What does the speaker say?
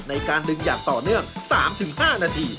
ในการดึงอย่างต่อเนื่อง๓๕นาที